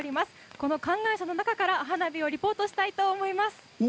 この観覧車の中から花火をリポートしたいと思います。